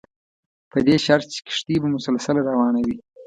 په دې شرط چې کښتۍ به مسلسله روانه وي.